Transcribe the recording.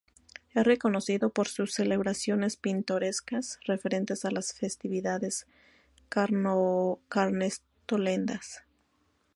Es reconocido por sus celebraciones pintorescas referentes a las festividades carnestolendas.